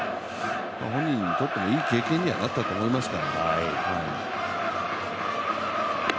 本人にとってもいい経験になったと思いますね